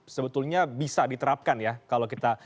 sebetulnya bisa diterapkan ya kalau kita